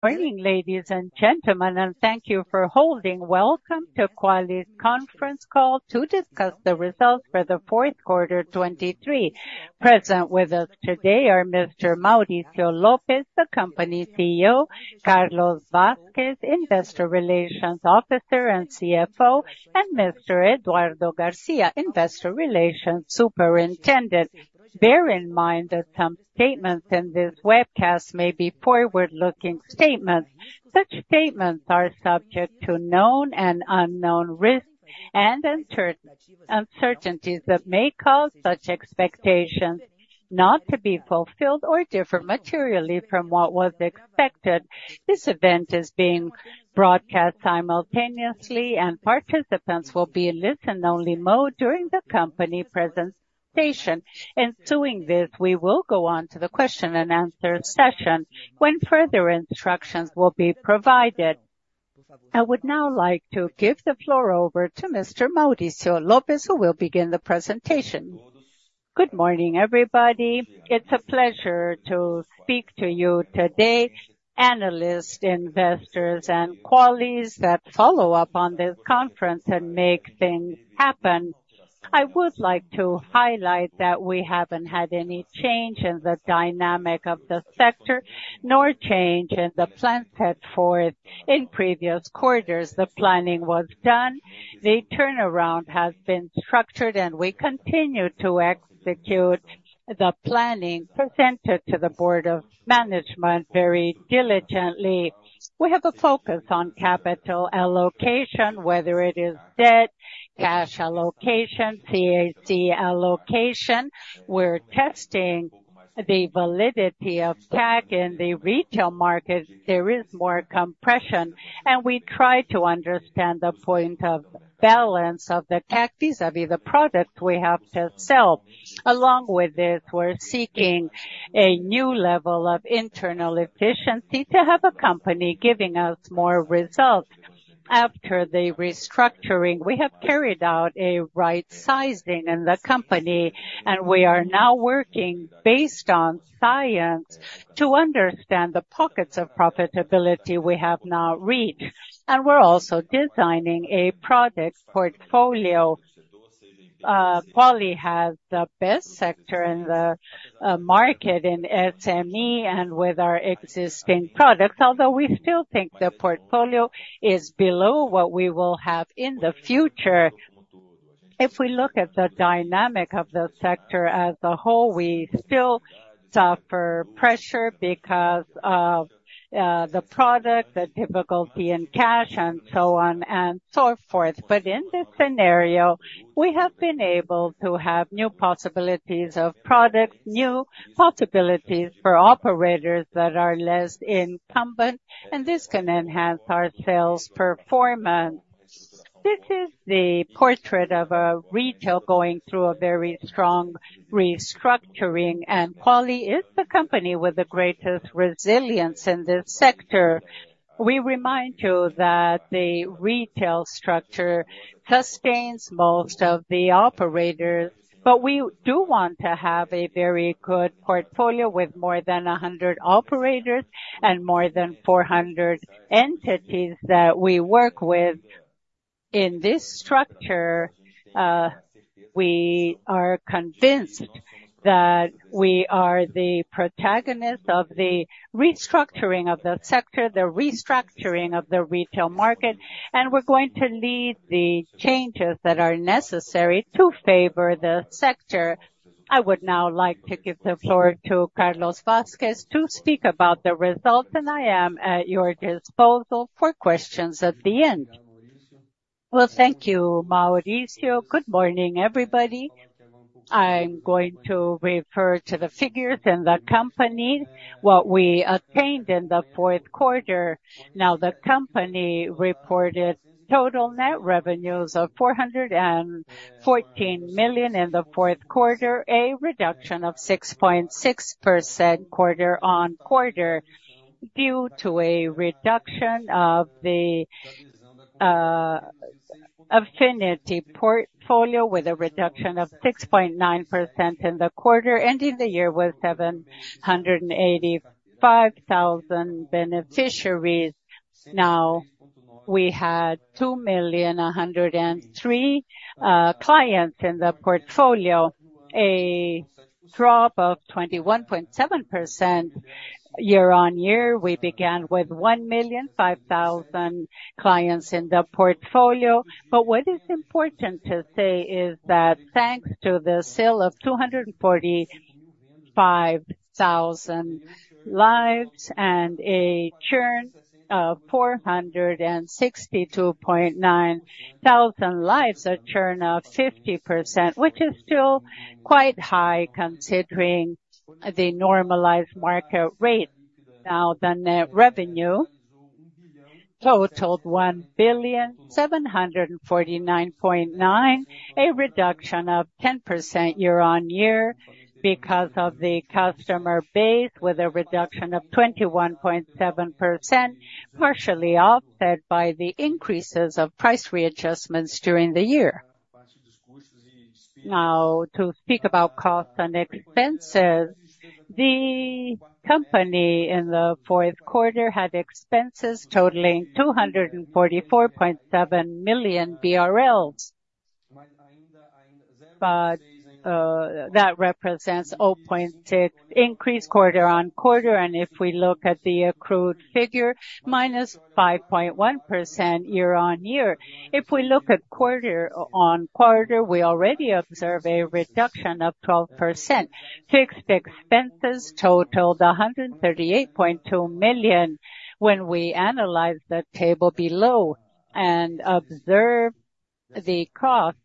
Morning, ladies and gentlemen, and thank you for holding. Welcome to Quali's conference call to discuss the results for the fourth quarter, 2023. Present with us today are Mr. Maurício Lopes, the company CEO, Carlos Vasques, Investor Relations Officer and CFO, and Mr. Eduardo Garcia, Investor Relations Superintendent. Bear in mind that some statements in this webcast may be forward-looking statements. Such statements are subject to known and unknown risks and uncertainties that may cause such expectations not to be fulfilled or differ materially from what was expected. This event is being broadcast simultaneously, and participants will be in listen-only mode during the company presentation. In doing this, we will go on to the question-and-answer session, when further instructions will be provided. I would now like to give the floor over to Mr. Maurício Lopes, who will begin the presentation. Good morning, everybody.It's a pleasure to speak to you today, analysts, investors and Qualis that follow up on this conference and make things happen. I would like to highlight that we haven't had any change in the dynamic of the sector, nor change in the plans set forth in previous quarters. The planning was done, the turnaround has been structured, and we continue to execute the planning presented to the board of management very diligently. We have a focus on capital allocation, whether it is debt, cash allocation, CAC allocation. We're testing the validity of CAC in the retail market. There is more compression, and we try to understand the point of balance of the CAC, vis-à-vis the product we have to sell. Along with this, we're seeking a new level of internal efficiency to have a company giving us more results. After the restructuring, we have carried out a right sizing in the company, and we are now working based on science to understand the pockets of profitability we have now reached, and we're also designing a product portfolio. Quali has the best sector in the market, in SME and with our existing products, although we still think the portfolio is below what we will have in the future. If we look at the dynamic of the sector as a whole, we still suffer pressure because of the product, the difficulty in cash and so on and so forth. But in this scenario, we have been able to have new possibilities of products, new possibilities for operators that are less incumbent, and this can enhance our sales performance. This is the portrait of a retail going through a very strong restructuring, and Quali is the company with the greatest resilience in this sector. We remind you that the retail structure sustains most of the operators, but we do want to have a very good portfolio with more than 100 operators and more than 400 entities that we work with. In this structure, we are convinced that we are the protagonist of the restructuring of the sector, the restructuring of the retail market, and we're going to lead the changes that are necessary to favor the sector. I would now like to give the floor to Carlos Vasques to speak about the results, and I am at your disposal for questions at the end. Well, thank you, Maurício. Good morning, everybody. I'm going to refer to the figures in the company, what we attained in the fourth quarter. Now, the company reported total net revenues of 414 million in the fourth quarter, a reduction of 6.6% quarter-on-quarter, due to a reduction of the affinity portfolio, with a reduction of 6.9% in the quarter, ending the year with 785,000 beneficiaries. Now, we had 2,103,000 clients in the portfolio, a drop of 21.7% year-on-year. We began with 1,005,000 clients in the portfolio. But what is important to say is that thanks to the sale of 245,000 lives and a churn of 462,900 lives, a churn of 50%, which is still quite high, considering the normalized market rate. Now, the net revenue totaled 1,749.9 million, a reduction of 10% year-on-year because of the customer base, with a reduction of 21.7%, partially offset by the increases of price readjustments during the year. Now, to speak about costs and expenses, the company in the fourth quarter had expenses totaling 244.7 million BRL. But, that represents 0.6% increase quarter-on-quarter, and if we look at the accrued figure, -5.1% year-on-year. If we look at quarter-over-quarter, we already observe a reduction of 12%. Fixed expenses totaled 138.2 million. When we analyze the table below and observe the cost,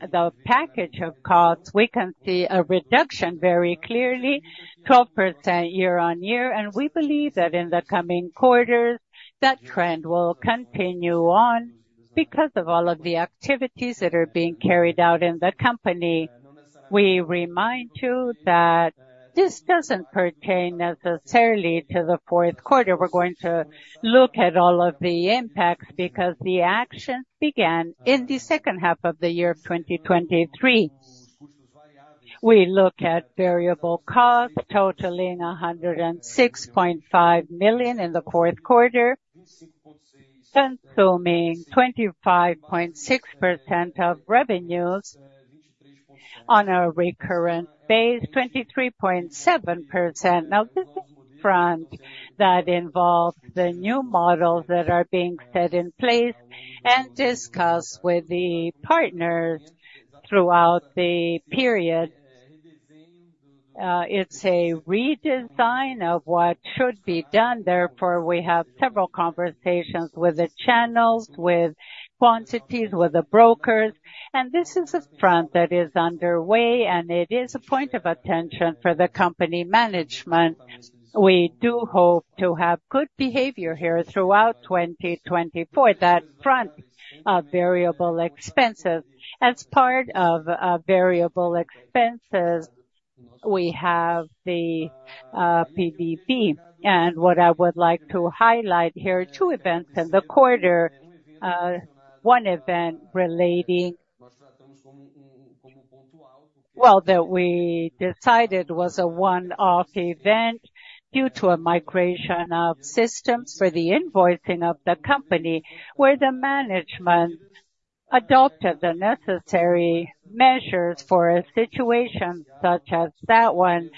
the package of costs, we can see a reduction very clearly, 12% year-over-year, and we believe that in the coming quarters, that trend will continue on because of all of the activities that are being carried out in the company. We remind you that this doesn't pertain necessarily to the fourth quarter. We're going to look at all of the impacts because the action began in the second half of the year of 2023. We look at variable costs totaling 106.5 million in the fourth quarter, consuming 25.6% of revenues on a recurrent basis, 23.7%. Now, this is a front that involves the new models that are being set in place and discussed with the partners throughout the period. It's a redesign of what should be done, therefore, we have several conversations with the channels, with Quali's, with the brokers, and this is a front that is underway, and it is a point of attention for the company management. We do hope to have good behavior here throughout 2024, that front of variable expenses. As part of variable expenses, we have the PDD, and what I would like to highlight here, two events in the quarter. One event relating—well, that we decided was a one-off event due to a migration of systems for the invoicing of the company, where the management adopted the necessary measures for a situation such as that one,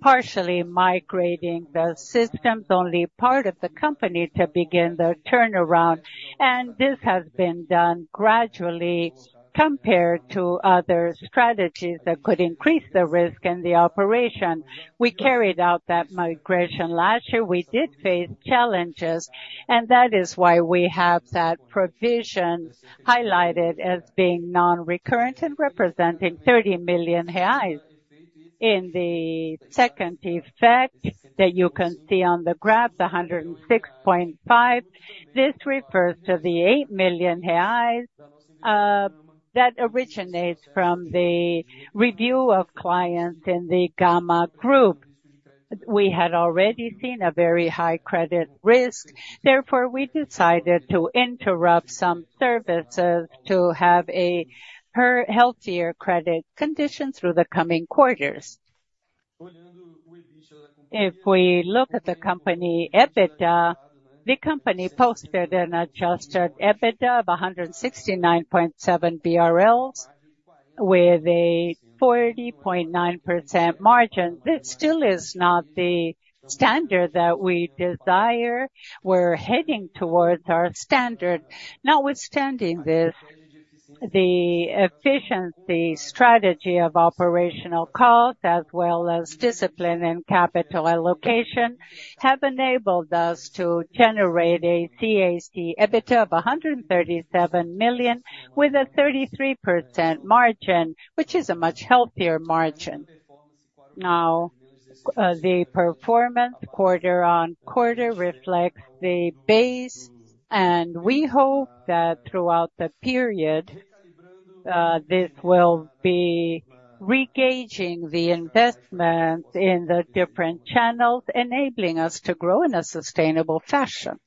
partially migrating the systems, only part of the company, to begin the turnaround. And this has been done gradually compared to other strategies that could increase the risk in the operation. We carried out that migration last year. We did face challenges, and that is why we have that provision highlighted as being non-recurrent and representing 30 million reais. In the second effect that you can see on the graph, the 106.5, this refers to the 8 million reais that originates from the review of clients in the Gama group. We had already seen a very high credit risk, therefore, we decided to interrupt some services to have a healthier credit condition through the coming quarters. If we look at the company EBITDA, the company posted an Adjusted EBITDA of 169.7 million BRL with a 40.9% margin. This still is not the standard that we desire. We're heading towards our standard. Notwithstanding this, the efficiency strategy of operational costs, as well as discipline and capital allocation, have enabled us to generate a CAC EBITDA of 137 million, with a 33% margin, which is a much healthier margin. Now, the performance quarter-on-quarter reflects the base, and we hope that throughout the period, this will be re-gauging the investment in the different channels, enabling us to grow in a sustainable fashion.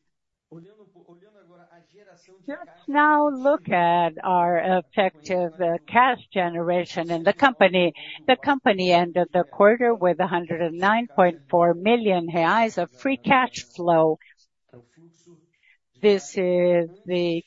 Just now, look at our effective cash generation in the company. The company ended the quarter with 109.4 million reais of free cash flow. This is the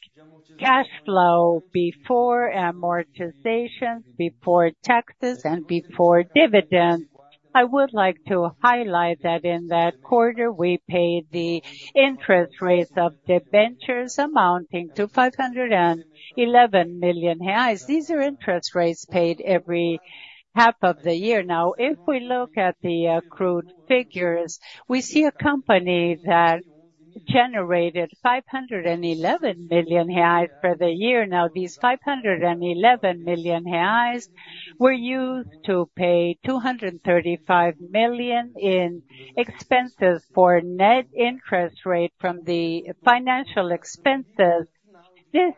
cash flow before amortization, before taxes, and before dividends. I would like to highlight that in that quarter, we paid the interest rates of debentures amounting to 511 million reais. These are interest rates paid every half of the year. Now, if we look at the accrued figures, we see a company that generated 511 million reais for the year. Now, these 511 million reais were used to pay 235 million in expenses for net interest rate from the financial expenses. This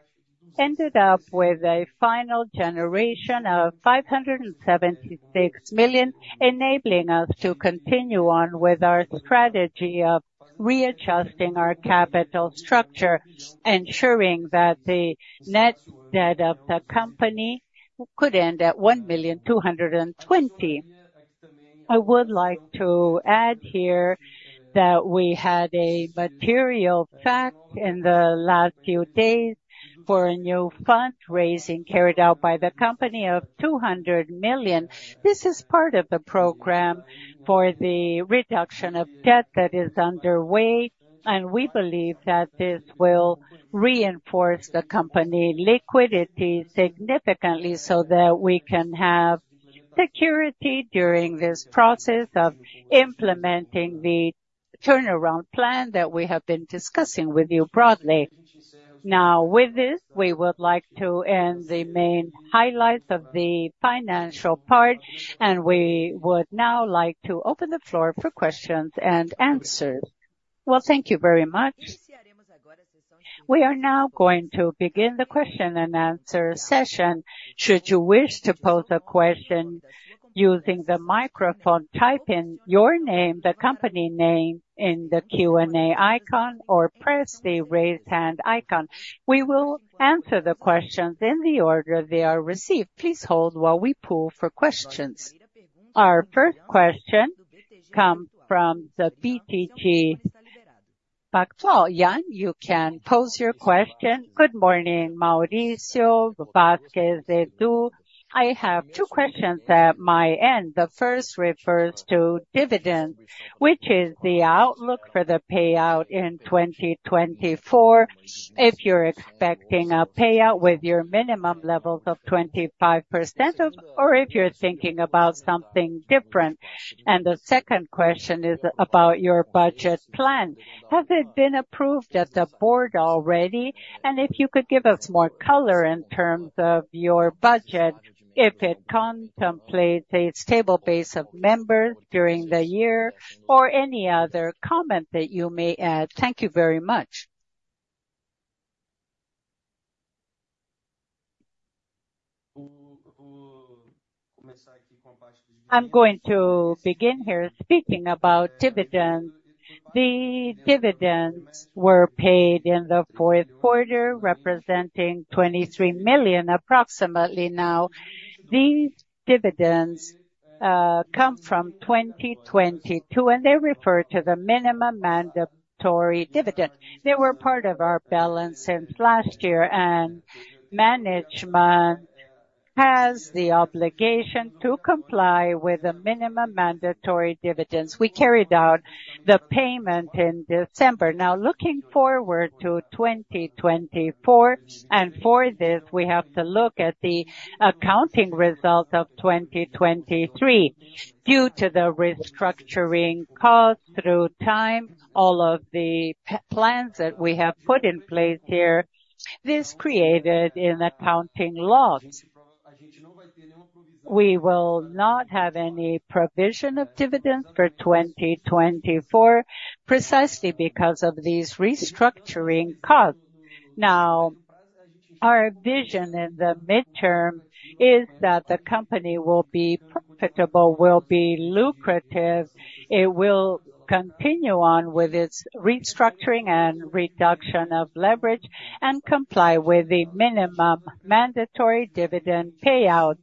ended up with a final generation of 576 million, enabling us to continue on with our strategy of readjusting our capital structure, ensuring that the net debt of the company could end at 1.22 billion... I would like to add here that we had a material fact in the last few days for a new fundraising carried out by the company of 200 million. This is part of the program for the reduction of debt that is underway, and we believe that this will reinforce the company liquidity significantly, so that we can have security during this process of implementing the turnaround plan that we have been discussing with you broadly. Now, with this, we would like to end the main highlights of the financial part, and we would now like to open the floor for questions and answers. Well, thank you very much. We are now going to begin the question and answer session. Should you wish to pose a question using the microphone, type in your name, the company name in the Q&A icon, or press the Raise Hand icon. We will answer the questions in the order they are received. Please hold while we poll for questions. Our first question comes from the BTG Pactual. Yan, you can pose your question. Good morning, Maurício, Vasques, Edu. I have two questions at my end. The first refers to dividends, which is the outlook for the payout in 2024, if you're expecting a payout with your minimum levels of 25%, or if you're thinking about something different. And the second question is about your budget plan. Has it been approved at the board already? If you could give us more color in terms of your budget, if it contemplates a stable base of members during the year or any other comment that you may add? Thank you very much. I'm going to begin here speaking about dividends. The dividends were paid in the fourth quarter, representing 23 million, approximately now. These dividends come from 2022, and they refer to the minimum mandatory dividend. They were part of our balance since last year, and management has the obligation to comply with the minimum mandatory dividends. We carried out the payment in December. Now, looking forward to 2024, and for this, we have to look at the accounting results of 2023. Due to the restructuring costs through time, all of the plans that we have put in place here, this created an accounting loss. We will not have any provision of dividends for 2024, precisely because of these restructuring costs. Now, our vision in the midterm is that the company will be profitable, will be lucrative, it will continue on with its restructuring and reduction of leverage, and comply with the minimum mandatory dividend payout.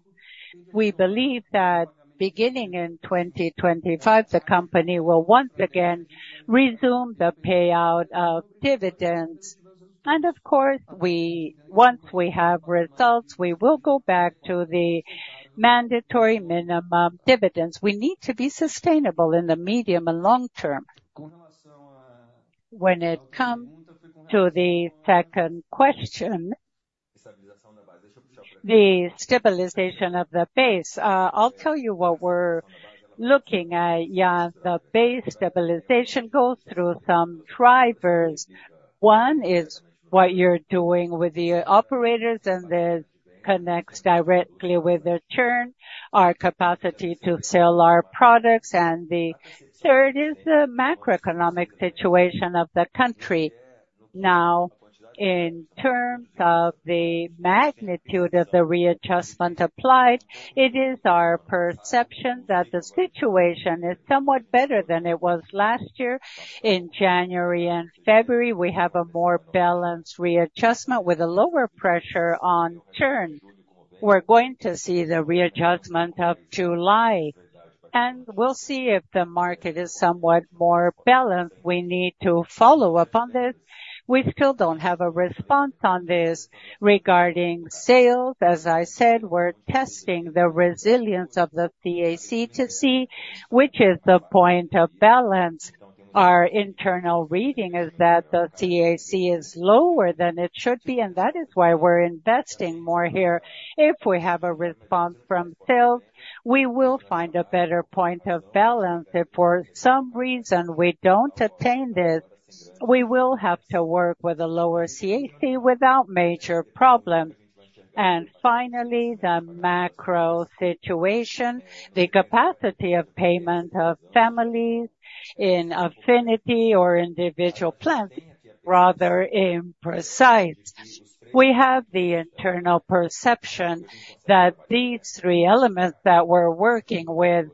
We believe that beginning in 2025, the company will once again resume the payout of dividends. And of course, we-- once we have results, we will go back to the mandatory minimum dividends. We need to be sustainable in the medium and long term. When it come to the second question, the stabilization of the base, I'll tell you what we're looking at, Yan. The base stabilization goes through some drivers. One is what you're doing with the operators, and this connects directly with the churn, our capacity to sell our products, and the third is the macroeconomic situation of the country. Now, in terms of the magnitude of the readjustment applied, it is our perception that the situation is somewhat better than it was last year. In January and February, we have a more balanced readjustment with a lower pressure on churn. We're going to see the readjustment of July, and we'll see if the market is somewhat more balanced. We need to follow up on this. We still don't have a response on this. Regarding sales, as I said, we're testing the resilience of the CAC to see which is the point of balance. Our internal reading is that the CAC is lower than it should be, and that is why we're investing more here. If we have a response from sales, we will find a better point of balance. If for some reason we don't attain this, we will have to work with a lower CAC without major problems. And finally, the macro situation, the capacity of payment of families in affinity or individual plans, rather imprecise. We have the internal perception that these three elements that we're working with,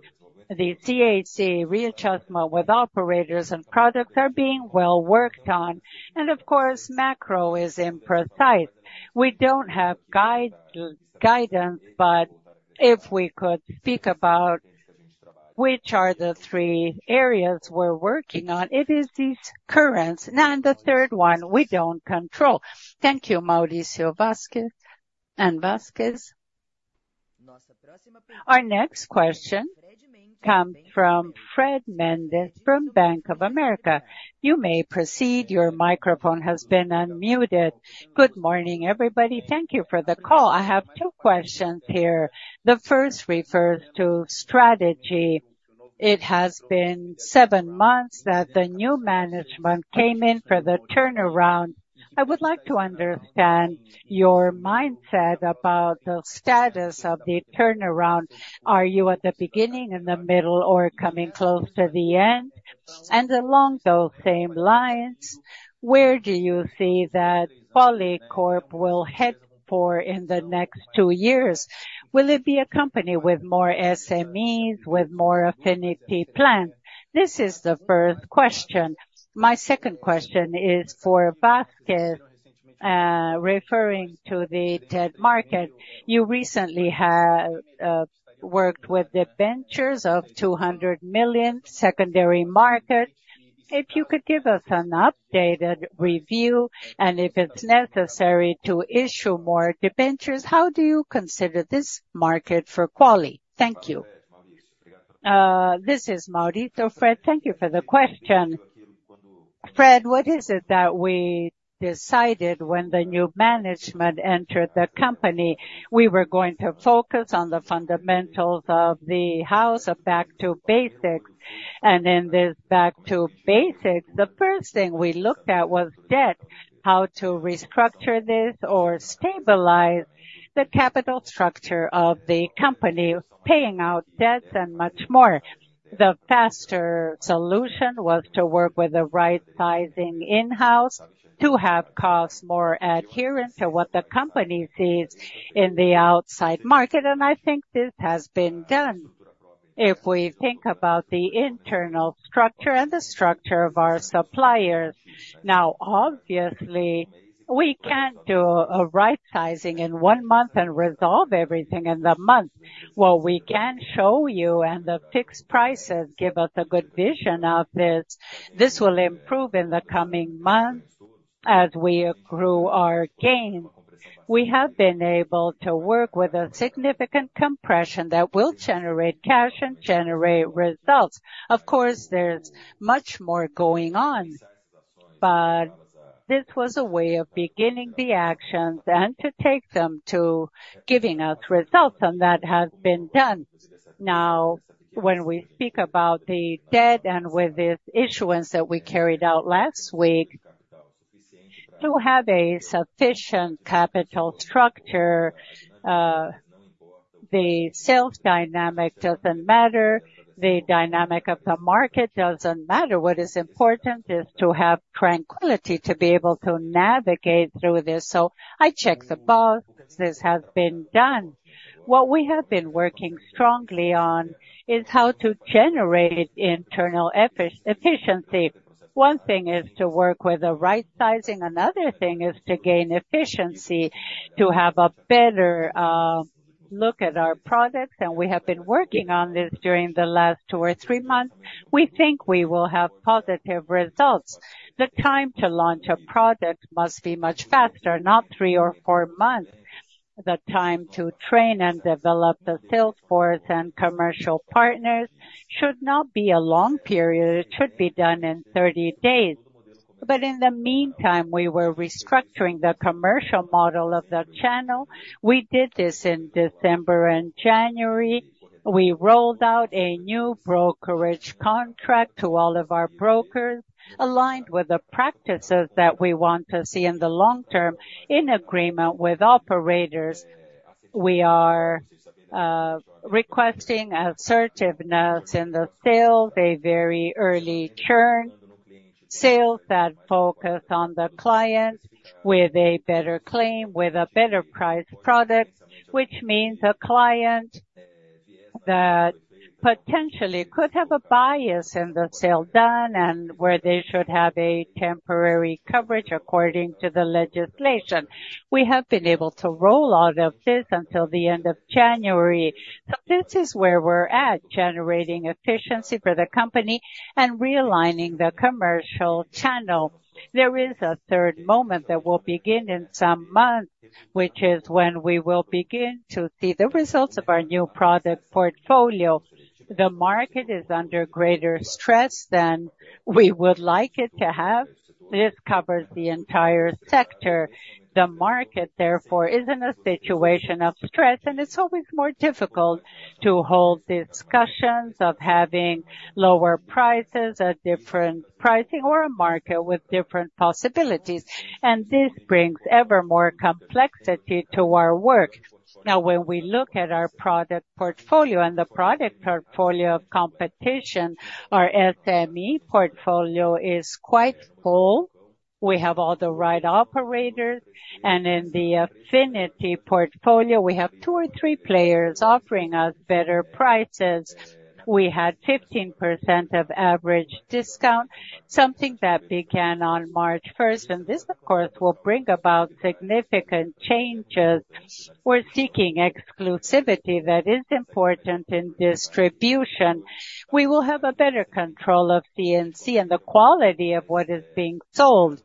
the CAC readjustment with operators and products, are being well worked on. And of course, macro is imprecise. We don't have guidance, but if we could speak about which are the three areas we're working on? It is these currents, and the third one we don't control. Thank you, Maurício and Vasques. Our next question comes from Fred Mendes from Bank of America. You may proceed. Your microphone has been unmuted. Good morning, everybody. Thank you for the call. I have two questions here. The first refers to strategy. It has been seven months that the new management came in for the turnaround. I would like to understand your mindset about the status of the turnaround. Are you at the beginning, in the middle, or coming close to the end? And along those same lines, where do you see that Qualicorp will head for in the next two years? Will it be a company with more SMEs, with more affinity plan? This is the first question. My second question is for Vasques, referring to the debt market. You recently have worked with debentures of 200 million secondary market. If you could give us an updated review and if it's necessary to issue more debentures, how do you consider this market for Quali? Thank you. This is Maurício. Fred, thank you for the question. Fred, what is it that we decided when the new management entered the company? We were going to focus on the fundamentals of the house, of back to basics, and in this back to basics, the first thing we looked at was debt, how to restructure this or stabilize the capital structure of the company, paying out debts and much more. The faster solution was to work with the right-sizing in-house, to have costs more adherent to what the company sees in the outside market, and I think this has been done. If we think about the internal structure and the structure of our suppliers. Now, obviously, we can't do a right-sizing in one month and resolve everything in the month. What we can show you, and the fixed prices give us a good vision of this. This will improve in the coming months as we grew our gain. We have been able to work with a significant compression that will generate cash and generate results. Of course, there's much more going on, but this was a way of beginning the actions and to take them to giving us results, and that has been done. Now, when we speak about the debt and with this issuance that we carried out last week, to have a sufficient capital structure, the sales dynamic doesn't matter, the dynamic of the market doesn't matter. What is important is to have tranquility, to be able to navigate through this. So I check the box. This has been done. What we have been working strongly on is how to generate internal efficiency. One thing is to work with the right sizing, another thing is to gain efficiency, to have a better look at our products, and we have been working on this during the last 2 or 3 months. We think we will have positive results. The time to launch a product must be much faster, not 3 or 4 months. The time to train and develop the sales force and commercial partners should not be a long period; it should be done in 30 days. But in the meantime, we were restructuring the commercial model of the channel. We did this in December and January. We rolled out a new brokerage contract to all of our brokers, aligned with the practices that we want to see in the long term. In agreement with operators, we are requesting assertiveness in the sales, a very early churn, sales that focus on the clients with a better claim, with a better priced product, which means a client that potentially could have a bias in the sale done and where they should have a temporary coverage according to the legislation. We have been able to roll out of this until the end of January. This is where we're at, generating efficiency for the company and realigning the commercial channel. There is a third moment that will begin in some months, which is when we will begin to see the results of our new product portfolio. The market is under greater stress than we would like it to have. This covers the entire sector. The market, therefore, is in a situation of stress, and it's always more difficult to hold discussions of having lower prices at different pricing or a market with different possibilities, and this brings ever more complexity to our work. Now, when we look at our product portfolio and the product portfolio of competition, our SME portfolio is quite full. We have all the right operators, and in the affinity portfolio, we have two or three players offering us better prices. We had 15% average discount, something that began on March 1st, and this, of course, will bring about significant changes. We're seeking exclusivity that is important in distribution. We will have a better control of DNC and the quality of what is being sold.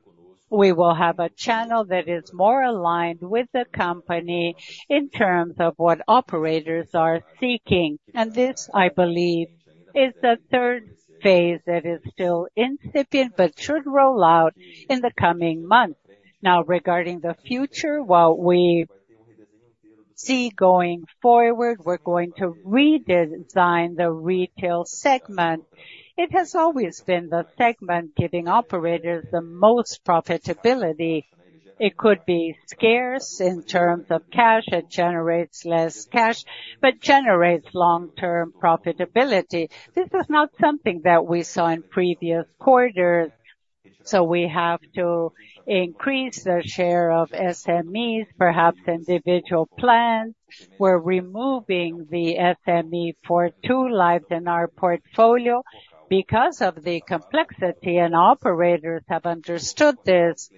We will have a channel that is more aligned with the company in terms of what operators are seeking, and this, I believe, is the third phase that is still incipient, but should roll out in the coming months. Now, regarding the future, what we see going forward, we're going to redesign the retail segment. It has always been the segment giving operators the most profitability. It could be scarce in terms of cash, it generates less cash, but generates long-term profitability. This is not something that we saw in previous quarters, so we have to increase the share of SMEs, perhaps individual plans. We're removing the SME for two lives in our portfolio because of the complexity, and operators have understood this.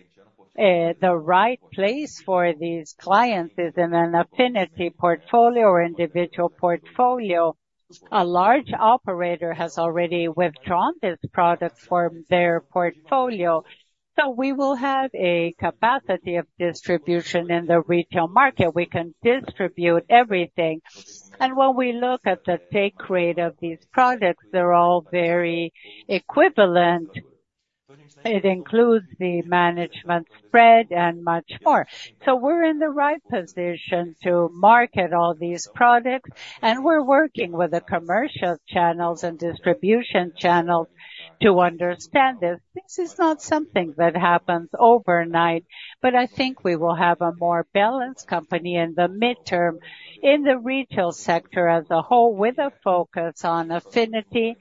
The right place for these clients is in an affinity portfolio or individual portfolio. A large operator has already withdrawn this product from their portfolio, so we will have a capacity of distribution in the retail market. We can distribute everything. And when we look at the take rate of these products, they're all very equivalent. It includes the management spread and much more. So we're in the right position to market all these products, and we're working with the commercial channels and distribution channels to understand this. This is not something that happens overnight, but I think we will have a more balanced company in the midterm, in the retail sector as a whole, with a focus on affinity,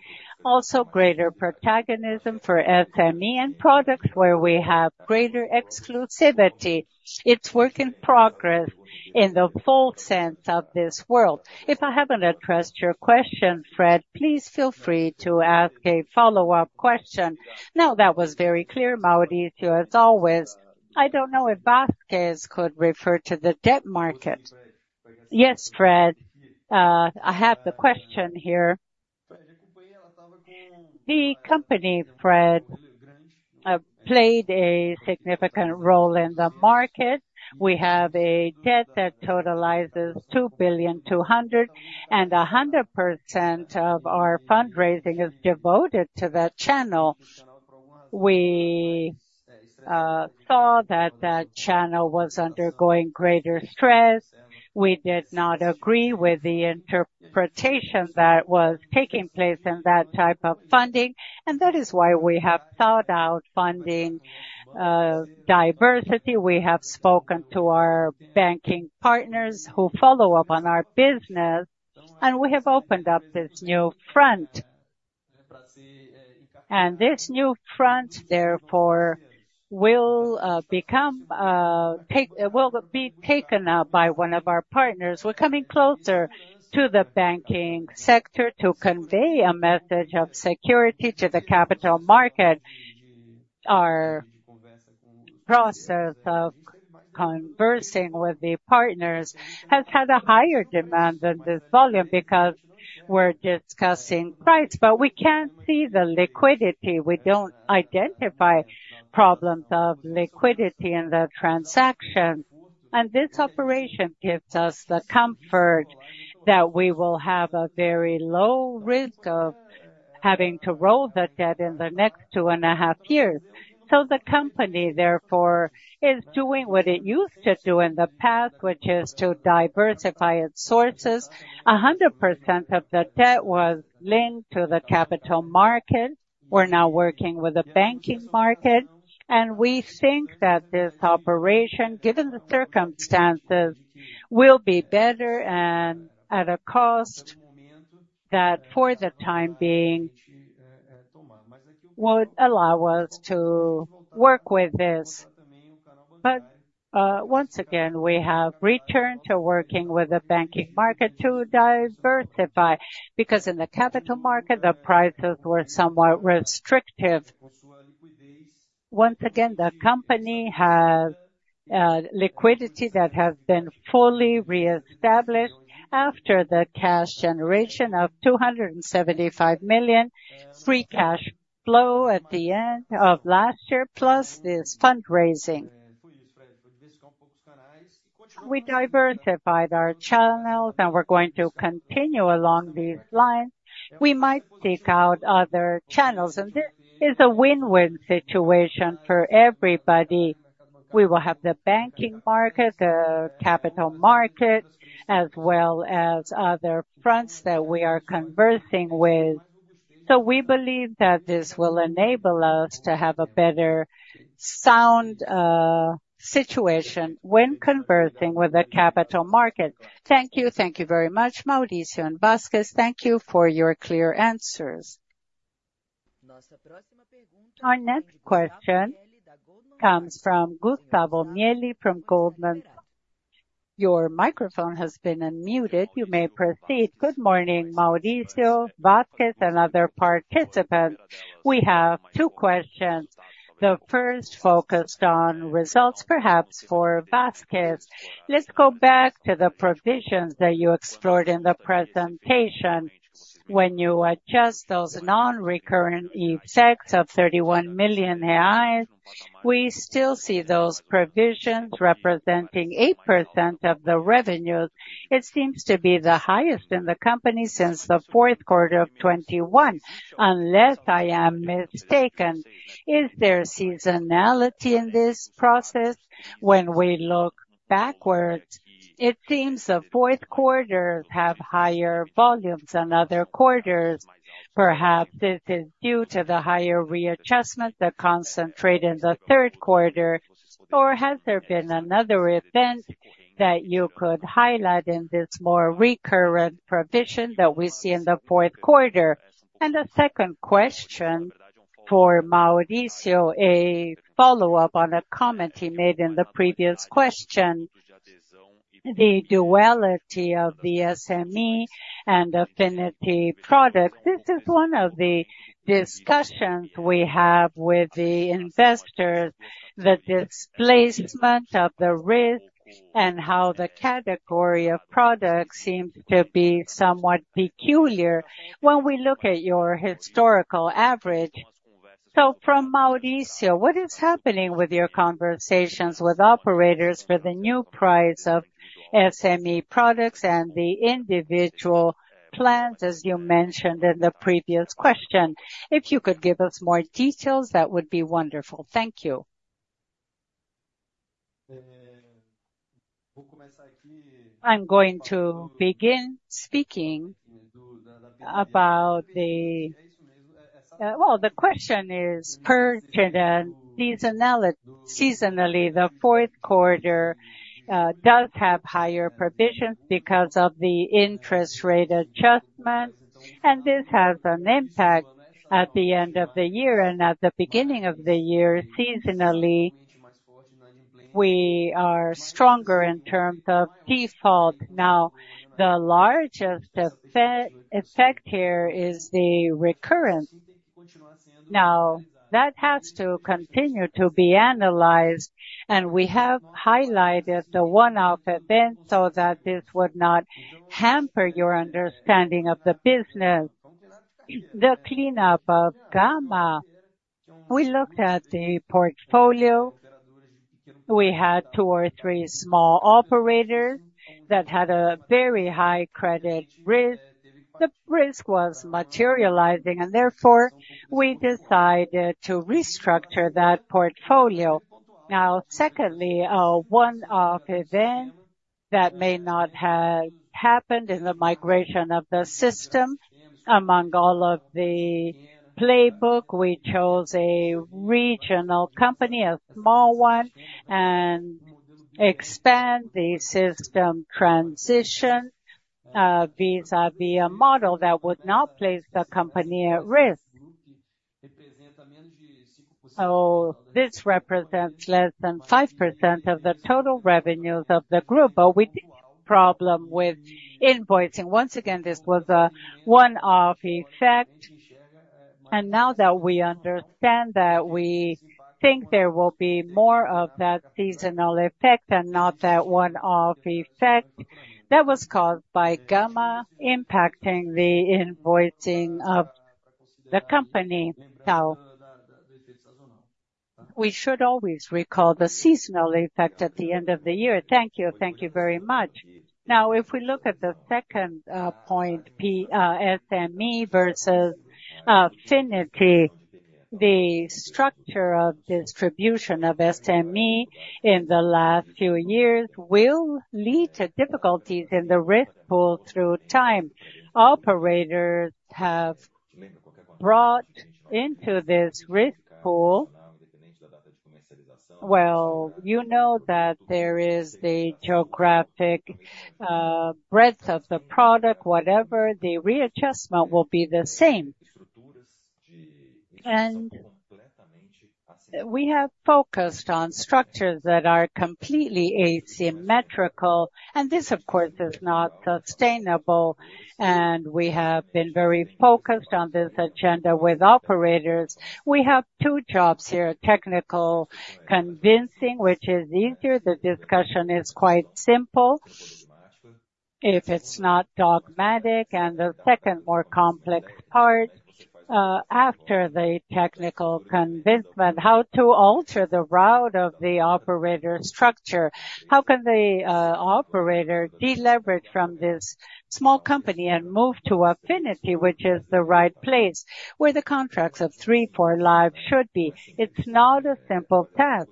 also greater protagonism for SME and products where we have greater exclusivity. It's work in progress in the full sense of this world. If I haven't addressed your question, Fred, please feel free to ask a follow-up question. Now, that was very clear, Maurício, as always. I don't know if Vasques could refer to the debt market. Yes, Fred, I have the question here. The company, Fred, played a significant role in the market. We have a debt that totalizes 2.2 billion, and 100% of our fundraising is devoted to that channel. We saw that that channel was undergoing greater stress. We did not agree with the interpretation that was taking place in that type of funding, and that is why we have thought out funding diversity. We have spoken to our banking partners who follow up on our business, and we have opened up this new front. And this new front, therefore, will be taken up by one of our partners. We're coming closer to the banking sector to convey a message of security to the capital market. Our process of conversing with the partners has had a higher demand than this volume because we're discussing price, but we can't see the liquidity. We don't identify problems of liquidity in the transaction, and this operation gives us the comfort that we will have a very low risk of having to roll the debt in the next two and a half years. So the company, therefore, is doing what it used to do in the past, which is to diversify its sources. 100% of the debt was linked to the capital market. We're now working with the banking market, and we think that this operation, given the circumstances, will be better and at a cost that, for the time being, would allow us to work with this. But, once again, we have returned to working with the banking market to diversify, because in the capital market, the prices were somewhat restrictive. Once again, the company has liquidity that has been fully reestablished after the cash generation of 275 million free cash flow at the end of last year, plus this fundraising. We diversified our channels, and we're going to continue along these lines. We might seek out other channels, and this is a win-win situation for everybody. We will have the banking market, the capital market, as well as other fronts that we are conversing with. So we believe that this will enable us to have a better sound situation when conversing with the capital market. Thank you. Thank you very much, Maurício and Vasques. Thank you for your clear answers. Our next question comes from Gustavo Miele from Goldman Sachs. Your microphone has been unmuted, you may proceed. Good morning, Maurício, Vasques, and other participants. We have two questions. The first focused on results, perhaps for Vasques. Let's go back to the provisions that you explored in the presentation. When you adjust those non-recurrent effects of 31 million reais, we still see those provisions representing 8% of the revenues. It seems to be the highest in the company since the fourth quarter of 2021, unless I am mistaken. Is there seasonality in this process? When we look backwards, it seems the fourth quarters have higher volumes than other quarters. Perhaps this is due to the higher readjustment that concentrate in the third quarter, or has there been another event that you could highlight in this more recurrent provision that we see in the fourth quarter? The second question for Maurício, a follow-up on a comment he made in the previous question. The duality of the SME and affinity product, this is one of the discussions we have with the investors, the displacement of the risk and how the category of products seems to be somewhat peculiar when we look at your historical average. So from Maurício, what is happening with your conversations with operators for the new price of SME products and the individual plans, as you mentioned in the previous question? If you could give us more details, that would be wonderful. Thank you. I'm going to begin speaking about the, well, the question is pertinent seasonality. Seasonally, the fourth quarter does have higher provisions because of the interest rate adjustment, and this has an impact at the end of the year and at the beginning of the year. Seasonally, we are stronger in terms of default. Now, the largest effect here is the recurrent. Now, that has to continue to be analyzed, and we have highlighted the one-off event so that this would not hamper your understanding of the business. The cleanup of Gama, we looked at the portfolio. We had two or three small operators that had a very high credit risk. The risk was materializing, and therefore, we decided to restructure that portfolio. Now, secondly, a one-off event that may not have happened in the migration of the system. Among all of the playbook, we chose a regional company, a small one, and expand the system transition, vis-à-vis a model that would not place the company at risk. So this represents less than 5% of the total revenues of the group, but we think problem with invoicing. Once again, this was a one-off effect, and now that we understand that, we think there will be more of that seasonal effect and not that one-off effect that was caused by Gama impacting the invoicing of the company. Now, we should always recall the seasonal effect at the end of the year. Thank you. Thank you very much. Now, if we look at the second, point, P, SME versus Affinity, the structure of distribution of SME in the last few years will lead to difficulties in the risk pool through time. Operators have brought into this risk pool... Well, you know that there is the geographic breadth of the product, whatever, the readjustment will be the same. And we have focused on structures that are completely asymmetrical, and this, of course, is not sustainable, and we have been very focused on this agenda with operators. We have two jobs here, technical convincing, which is easier. The discussion is quite simple. If it's not dogmatic, and the second, more complex part, after the technical convincement, how to alter the route of the operator structure? How can the operator deleverage from this small company and move to Affinity, which is the right place, where the contracts of three, four lives should be? It's not a simple task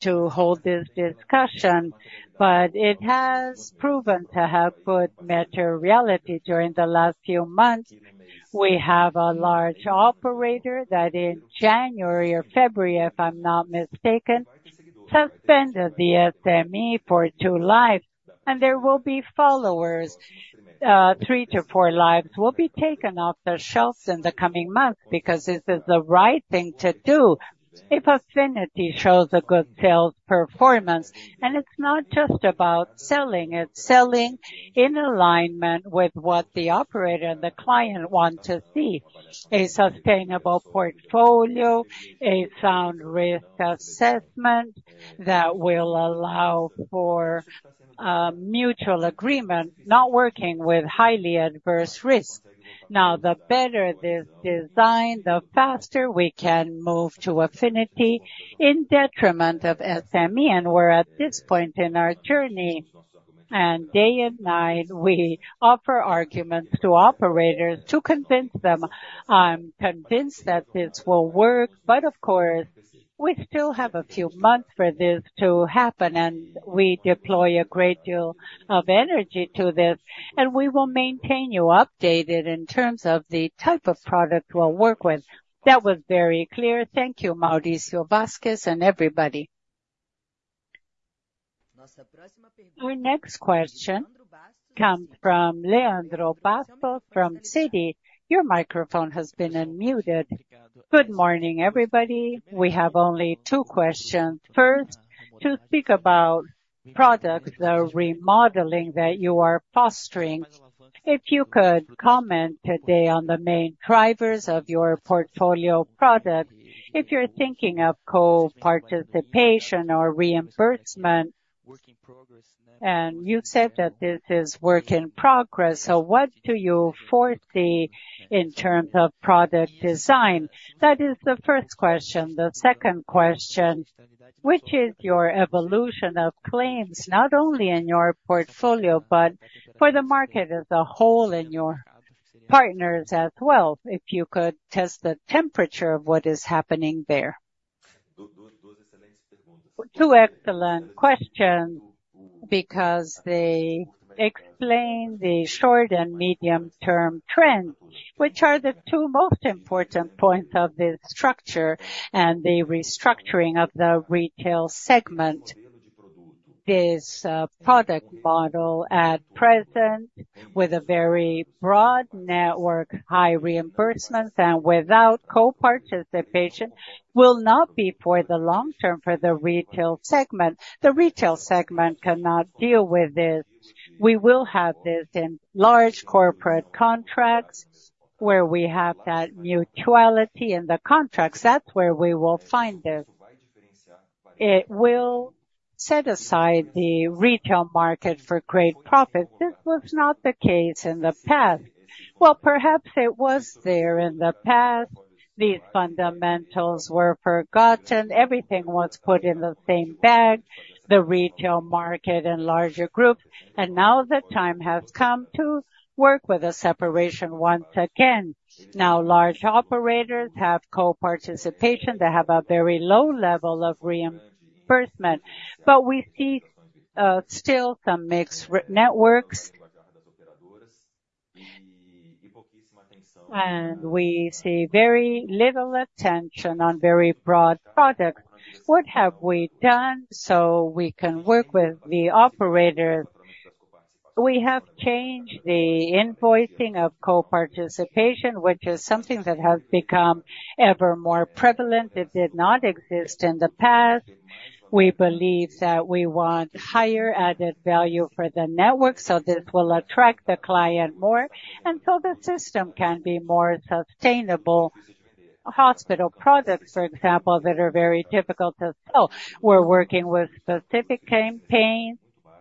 to hold this discussion, but it has proven to have good materiality during the last few months. We have a large operator that in January or February, if I'm not mistaken, suspended the SME for two lives, and there will be followers, three to four lives will be taken off the shelves in the coming months, because this is the right thing to do. If Affinity shows a good sales performance, and it's not just about selling, it's selling in alignment with what the operator and the client want to see. A sustainable portfolio, a sound risk assessment that will allow for mutual agreement, not working with highly adverse risk. Now, the better this design, the faster we can move to Affinity in detriment of SME, and we're at this point in our journey, and day and night, we offer arguments to operators to convince them. I'm convinced that this will work, but of course, we still have a few months for this to happen, and we deploy a great deal of energy to this, and we will maintain you updated in terms of the type of product we'll work with. That was very clear. Thank you, Carlos Vasques, and everybody. Our next question comes from Leandro Bastos from Citi. Your microphone has been unmuted. Good morning, everybody. We have only two questions. First, to speak about products, the remodeling that you are fostering. If you could comment today on the main drivers of your portfolio product, if you're thinking of co-participation or reimbursement, and you said that this is work in progress, so what do you foresee in terms of product design? That is the first question. The second question: which is your evolution of claims, not only in your portfolio, but for the market as a whole and your partners as well? If you could test the temperature of what is happening there. Two excellent questions, because they explain the short and medium-term trends, which are the two most important points of this structure and the restructuring of the retail segment. This, product model at present, with a very broad network, high reimbursements, and without co-participation, will not be for the long term for the retail segment. The retail segment cannot deal with this. We will have this in large corporate contracts, where we have that mutuality in the contracts, that's where we will find this. It will set aside the retail market for great profit. This was not the case in the past. Well, perhaps it was there in the past. These fundamentals were forgotten. Everything was put in the same bag, the retail market and larger group, and now the time has come to work with a separation once again. Now, large operators have co-participation. They have a very low level of reimbursement, but we see still some mixed networks. And we see very little attention on very broad products. What have we done so we can work with the operator? We have changed the invoicing of co-participation, which is something that has become ever more prevalent. It did not exist in the past. We believe that we want higher added value for the network, so this will attract the client more, and so the system can be more sustainable. Hospital products, for example, that are very difficult to sell, we're working with specific campaigns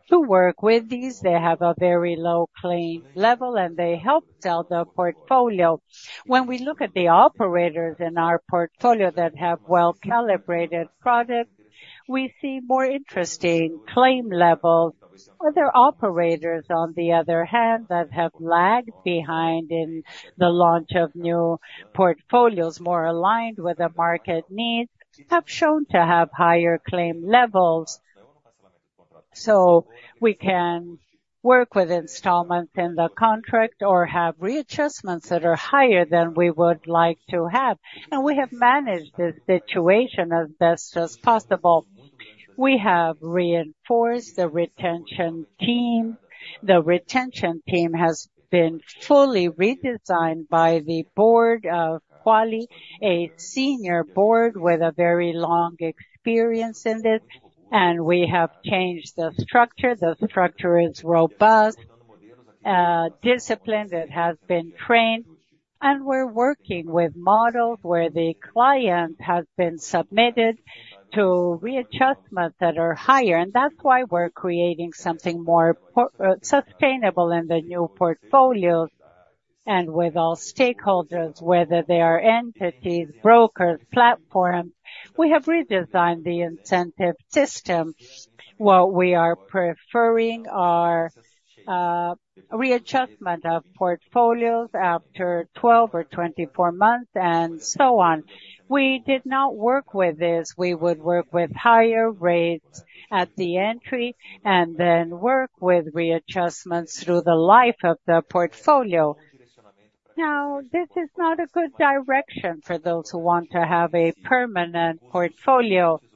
to work with these. They have a very low claim level, and they help sell the portfolio. When we look at the operators in our portfolio that have well-calibrated products, we see more interesting claim levels. Other operators, on the other hand, that have lagged behind in the launch of new portfolios, more aligned with the market needs, have shown to have higher claim levels. So we can work with installments in the contract or have readjustments that are higher than we would like to have, and we have managed this situation as best as possible. We have reinforced the retention team. The retention team has been fully redesigned by the board of Quali, a senior board with a very long experience in this, and we have changed the structure. The structure is robust, disciplined, it has been trained, and we're working with models where the client has been submitted to readjustments that are higher, and that's why we're creating something more sustainable in the new portfolios and with all stakeholders, whether they are entities, brokers, platforms. We have redesigned the incentive systems. What we are preferring are readjustment of portfolios after 12 or 24 months, and so on. We did not work with this. We would work with higher rates at the entry and then work with readjustments through the life of the portfolio. Now, this is not a good direction for those who want to have a permanent portfolio. So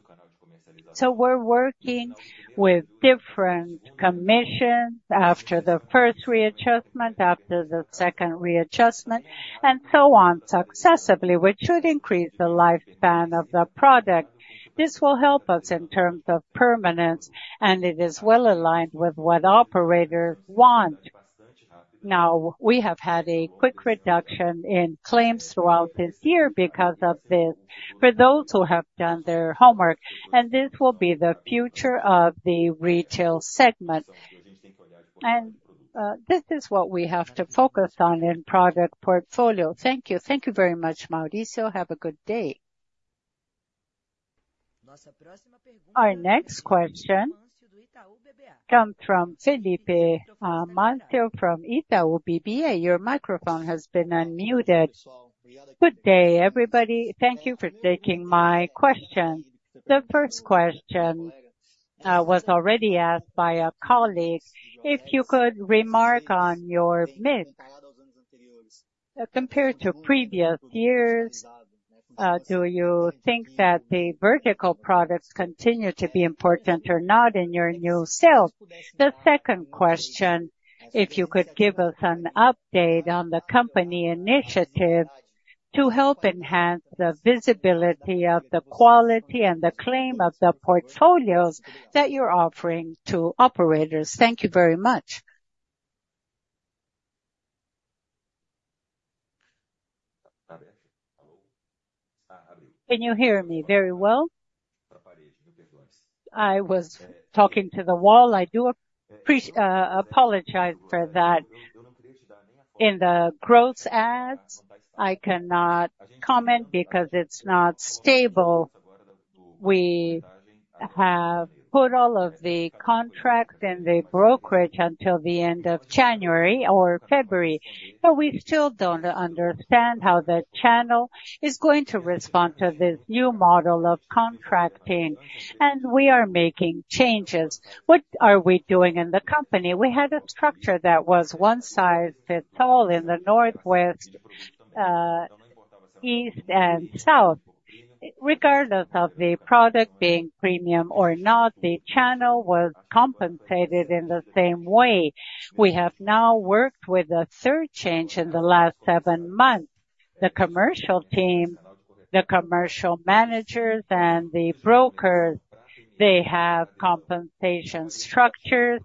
we're working with different commissions after the first readjustment, after the second readjustment, and so on successively, which should increase the lifespan of the product. This will help us in terms of permanence, and it is well aligned with what operators want. Now, we have had a quick reduction in claims throughout this year because of this, for those who have done their homework, and this will be the future of the retail segment. And, this is what we have to focus on in product portfolio. Thank you. Thank you very much, Maurício. Have a good day. Our next question comes from Felipe Amancio from Itaú BBA. Your microphone has been unmuted. Good day, everybody. Thank you for taking my question. The first question was already asked by a colleague. If you could remark on your mix, compared to previous years, do you think that the vertical products continue to be important or not in your new sales? The second question, if you could give us an update on the company initiative to help enhance the visibility of the Quali and the claim of the portfolios that you're offering to operators. Thank you very much. Can you hear me very well? I was talking to the wall. I do apologize for that. In the gross adds, I cannot comment because it's not stable. We have put all of the contracts in the brokerage until the end of January or February, but we still don't understand how the channel is going to respond to this new model of contracting, and we are making changes. What are we doing in the company? We had a structure that was one size fits all in the North, west, East, and South. Regardless of the product being premium or not, the channel was compensated in the same way. We have now worked with a third change in the last seven months. The commercial team, the commercial managers, and the brokers, they have compensation structures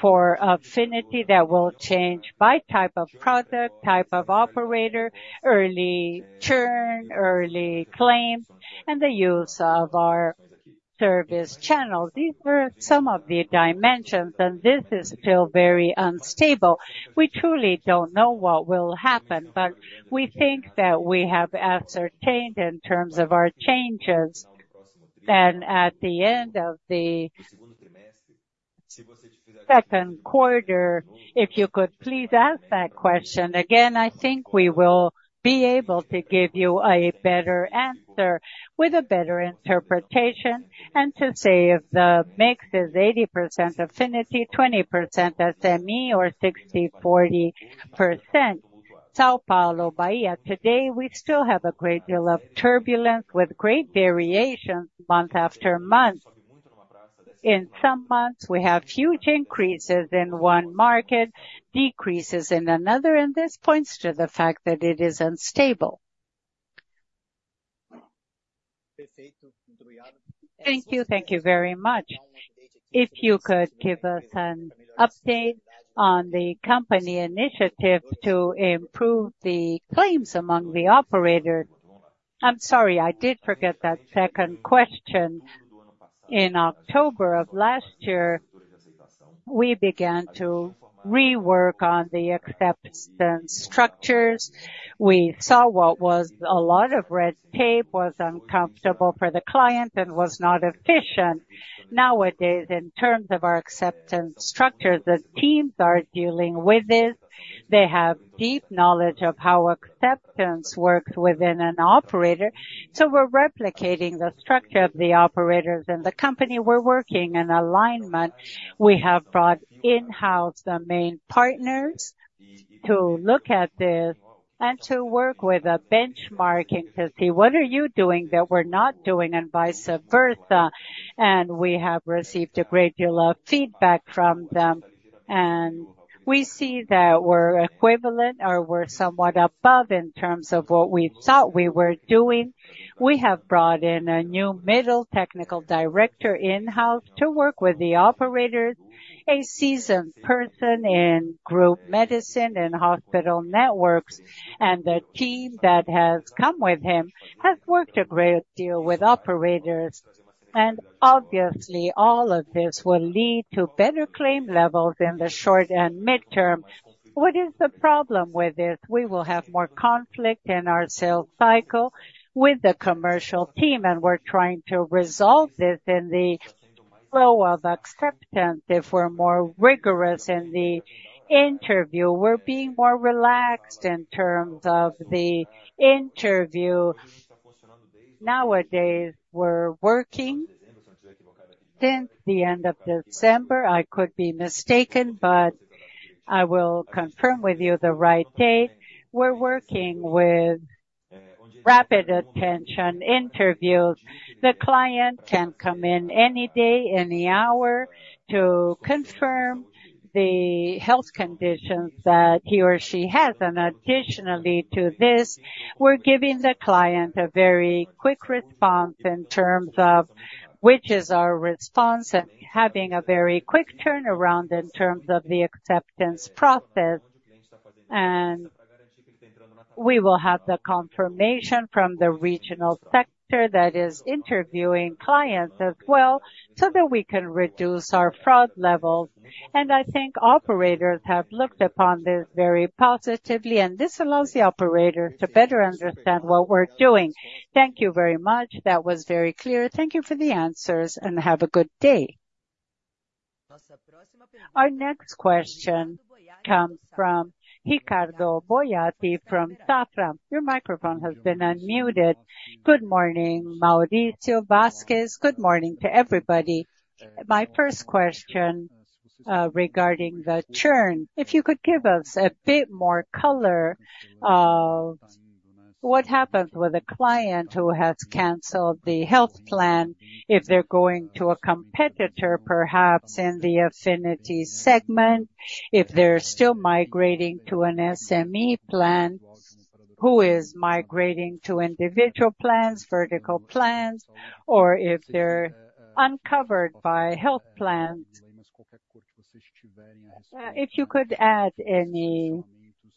for affinity that will change by type of product, type of operator, early churn, early claim, and the use of our service channel. These are some of the dimensions, and this is still very unstable. We truly don't know what will happen, but we think that we have ascertained in terms of our changes, that at the end of the second quarter, if you could please ask that question again, I think we will be able to give you a better answer with a better interpretation, and to say if the mix is 80% affinity, 20% SME, or 60%-40%. São Paulo, Bahia, today, we still have a great deal of turbulence with great variations month after month. In some months, we have huge increases in one market, decreases in another, and this points to the fact that it is unstable. Thank you. Thank you very much. If you could give us an update on the company initiative to improve the claims among the operator? I'm sorry, I did forget that second question. In October of last year, we began to rework on the acceptance structures. We saw what was a lot of red tape, was uncomfortable for the client and was not efficient. Nowadays, in terms of our acceptance structure, the teams are dealing with this. They have deep knowledge of how acceptance works within an operator, so we're replicating the structure of the operators in the company. We're working in alignment. We have brought in-house the main partners to look at this and to work with a benchmarking to see what are you doing that we're not doing and vice versa, and we have received a great deal of feedback from them. We see that we're equivalent or we're somewhat above in terms of what we thought we were doing. We have brought in a new medical technical director in-house to work with the operators, a seasoned person in group medicine and hospital networks, and the team that has come with him has worked a great deal with operators. Obviously, all of this will lead to better claim levels in the short and midterm. What is the problem with this? We will have more conflict in our sales cycle with the commercial team, and we're trying to resolve this in the flow of acceptance. If we're more rigorous in the interview, we're being more relaxed in terms of the interview. Nowadays, then the end of December, I could be mistaken, but I will confirm with you the right date. We're working with rapid attention interviews. The client can come in any day, any hour, to confirm the health conditions that he or she has. Additionally to this, we're giving the client a very quick response in terms of which is our response, and having a very quick turnaround in terms of the acceptance process. We will have the confirmation from the regional sector that is interviewing clients as well, so that we can reduce our fraud levels. I think operators have looked upon this very positively, and this allows the operator to better understand what we're doing. Thank you very much. That was very clear. Thank you for the answers, and have a good day. Our next question comes from Ricardo Boiati from Safra. Your microphone has been unmuted. Good morning, Maurício, Vasques. Good morning to everybody. My first question regarding the churn. If you could give us a bit more color of what happens with a client who has canceled the health plan, if they're going to a competitor, perhaps in the affinity segment, if they're still migrating to an SME plan, who is migrating to individual plans, vertical plans, or if they're uncovered by health plans. If you could add any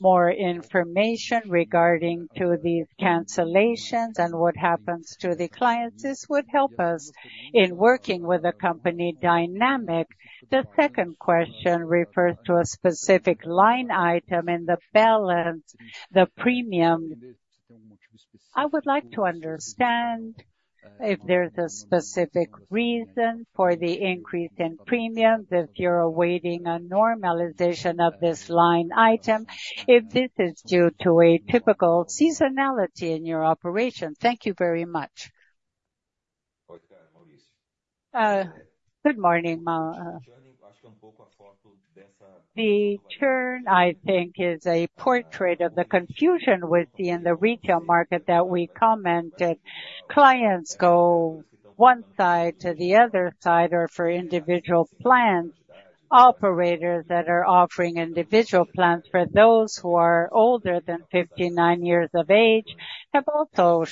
more information regarding to these cancellations and what happens to the clients, this would help us in working with the company dynamic. The second question refers to a specific line item in the balance, the premium. I would like to understand if there's a specific reason for the increase in premiums, if you're awaiting a normalization of this line item, if this is due to a typical seasonality in your operation? Thank you very much. The churn, I think, is a portrait of the confusion we see in the retail market that we commented. Clients go one side to the other side, or for individual plans. Operators that are offering individual plans for those who are older than 59 years of age, have also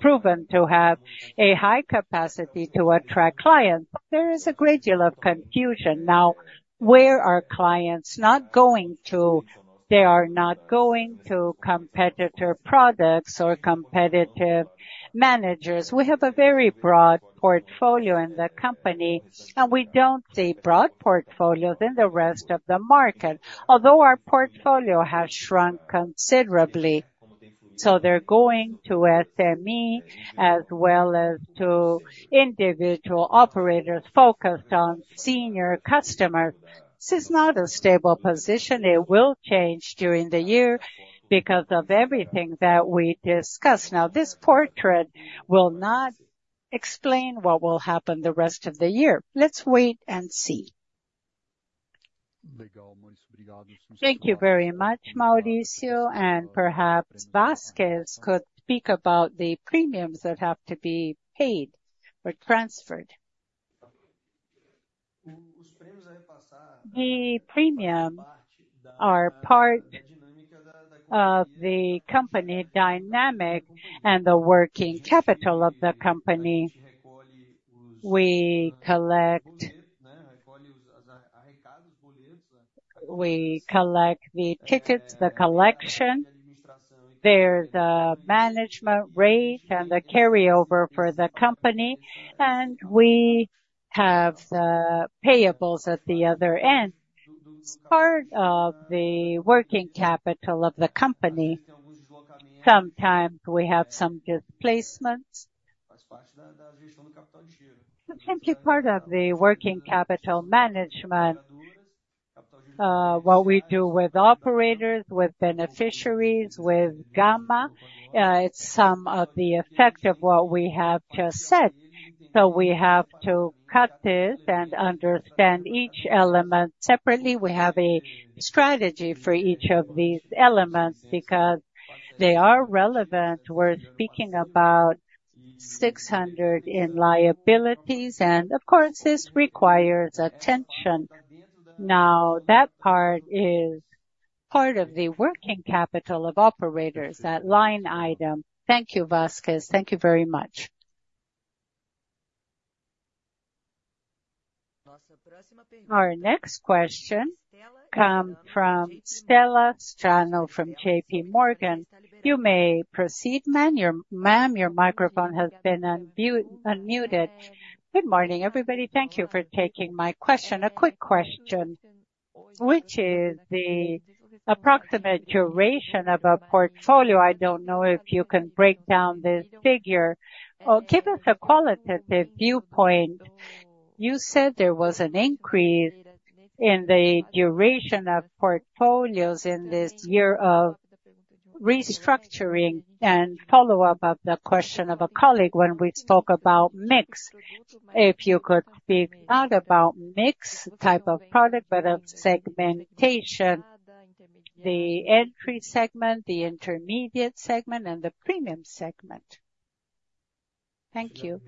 proven to have a high capacity to attract clients. There is a great deal of confusion. Now, where are clients not going to? They are not going to competitor products or competitive managers. We have a very broad portfolio in the company, and we don't see broad portfolios in the rest of the market, although our portfolio has shrunk considerably. So they're going to SME as well as to individual operators focused on senior customers. This is not a stable position. It will change during the year because of everything that we discussed. Now, this portfolio will not explain what will happen the rest of the year. Let's wait and see. Thank you very much, Maurício, and perhaps Vasques could speak about the premiums that have to be paid or transferred. The premiums are part of the company dynamic and the working capital of the company. We collect... We collect the tickets, the collection, there's a management rate and the carryover for the company, and we have the payables at the other end. As part of the working capital of the company, sometimes we have some displacements. It's simply part of the working capital management, what we do with operators, with beneficiaries, with Gama, it's some of the effects of what we have just said. So we have to cut this and understand each element separately. We have a strategy for each of these elements because they are relevant. We're speaking about 600 million in liabilities, and of course, this requires attention. Now, that part is part of the working capital of operators, that line item. Thank you, Vasques. Thank you very much. Our next question comes from Estela Strano from J.P. Morgan. You may proceed, ma'am, your microphone has been unmuted. Good morning, everybody. Thank you for taking my question. A quick question: Which is the approximate duration of a portfolio? I don't know if you can break down this figure, or give us a qualitative viewpoint. You said there was an increase in the duration of portfolios in this year of restructuring and follow-up of the question of a colleague when we talk about mix. If you could speak not about mix type of product, but of segmentation, the entry segment, the intermediate segment, and the premium segment. Thank you.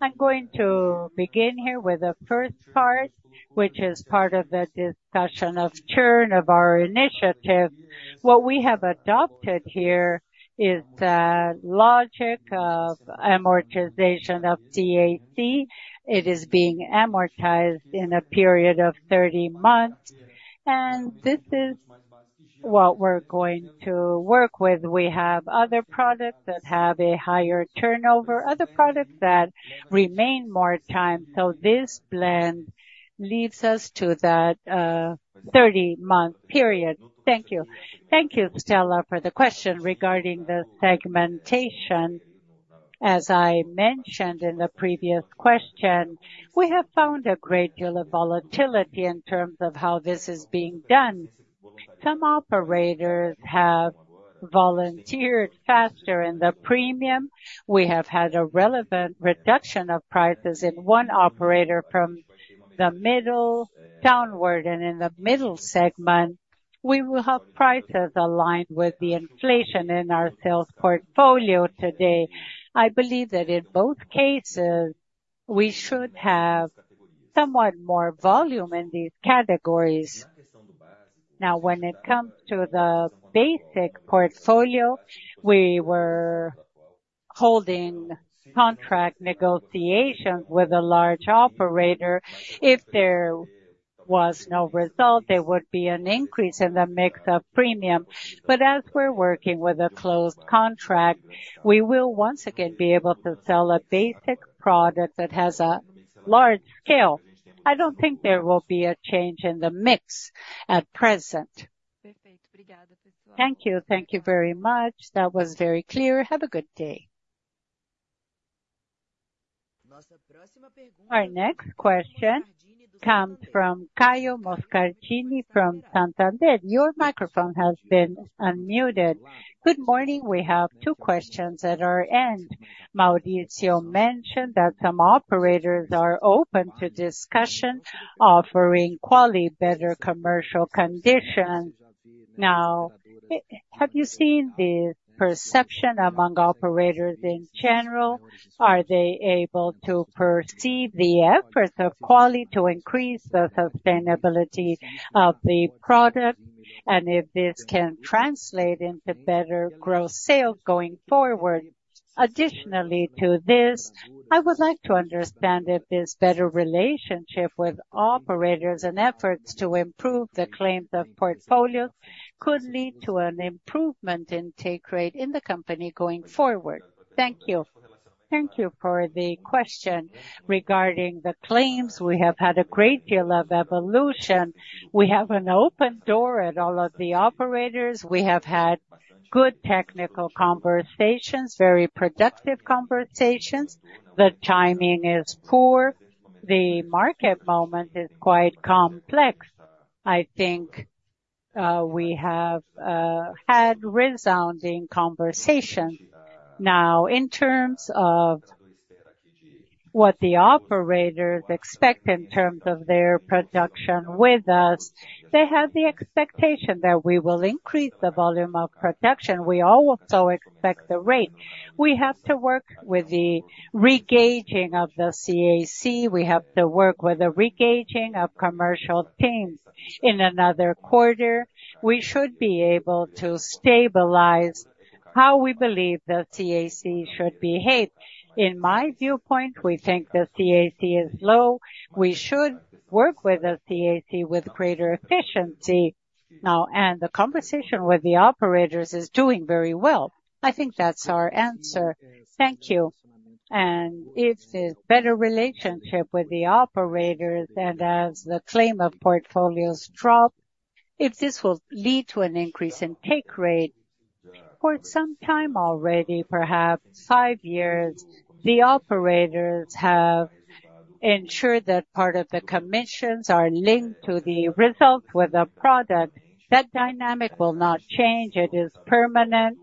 I'm going to begin here with the first part, which is part of the discussion of churn of our initiative. What we have adopted here is the logic of amortization of DAC. It is being amortized in a period of 30 months, and this is what we're going to work with. We have other products that have a higher turnover, other products that remain more time, so this blend leads us to that 30-month period. Thank you. Thank you, Stella, for the question regarding the segmentation. As I mentioned in the previous question, we have found a great deal of volatility in terms of how this is being done. Some operators have volunteered faster in the premium. We have had a relevant reduction of prices in one operator from the middle downward, and in the middle segment, we will have prices aligned with the inflation in our sales portfolio today. I believe that in both cases, we should have somewhat more volume in these categories. Now, when it comes to the basic portfolio, we were holding contract negotiations with a large operator. If there was no result, there would be an increase in the mix of premium. But as we're working with a closed contract, we will once again be able to sell a basic product that has a large scale. I don't think there will be a change in the mix at present. Thank you. Thank you very much. That was very clear. Have a good day. Our next question comes from Caio Moscardini, from Santander. Your microphone has been unmuted. Good morning. We have two questions at our end. Maurício mentioned that some operators are open to discussion, offering Quali better commercial conditions. Now, have you seen the perception among operators in general? Are they able to perceive the efforts of Quali to increase the sustainability of the product, and if this can translate into better growth sales going forward? Additionally to this, I would like to understand if this better relationship with operators and efforts to improve the claims of portfolio could lead to an improvement in take rate in the company going forward. Thank you. Thank you for the question. Regarding the claims, we have had a great deal of evolution. We have an open door at all of the operators. We have had good technical conversations, very productive conversations. The timing is poor. The market moment is quite complex. I think, we have had resounding conversation. Now, in terms of what the operators expect in terms of their production with us, they have the expectation that we will increase the volume of production. We also expect the rate. We have to work with the re-gauging of the CAC. We have to work with the re-gauging of commercial teams. In another quarter, we should be able to stabilize how we believe the CAC should behave. In my viewpoint, we think the CAC is low. We should work with the CAC with greater efficiency now, and the conversation with the operators is doing very well. I think that's our answer. Thank you. And if the better relationship with the operators and as the claims of portfolios drop, if this will lead to an increase in take rate, for some time already, perhaps five years, the operators have ensured that part of the commissions are linked to the results with the product. That dynamic will not change. It is permanent.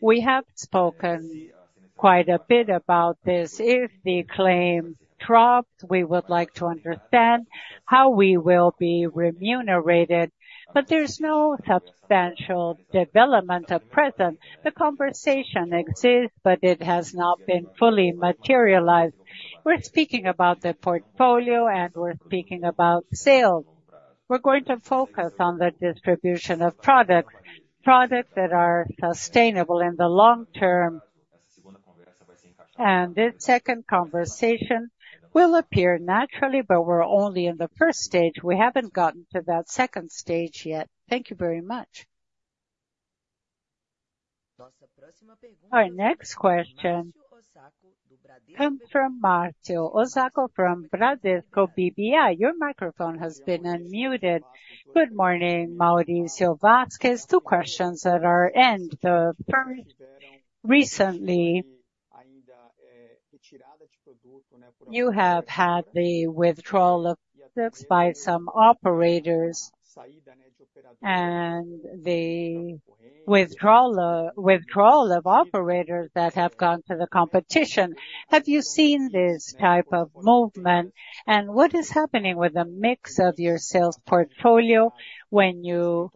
We have spoken quite a bit about this. If the claims drop, we would like to understand how we will be remunerated, but there's no substantial development at present. The conversation exists, but it has not been fully materialized. We're speaking about the portfolio, and we're speaking about sales. We're going to focus on the distribution of products, products that are sustainable in the long term. And this second conversation will appear naturally, but we're only in the first stage. We haven't gotten to that second stage yet. Thank you very much. Our next question comes from Mario Osako, from Bradesco BBI. Your microphone has been unmuted. Good morning, Maurício, Vasques. Two questions at our end. You have had the withdrawal by some operators, and the withdrawal, withdrawal of operators that have gone to the competition. Have you seen this type of movement, and what is happening with the mix of your sales portfolio when you